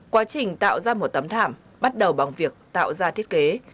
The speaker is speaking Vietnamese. quá trình tạo ra một tấm thảm bắt đầu bằng việc tạo ra thiết kế